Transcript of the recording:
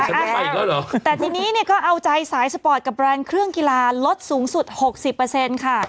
อ้าวแต่ทีนี้เนี่ยก็เอาใจสายสปอร์ตกับแบรนด์เครื่องกีฬาลดสูงสุด๖๐ค่ะ